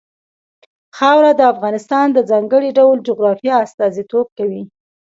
خاوره د افغانستان د ځانګړي ډول جغرافیه استازیتوب کوي.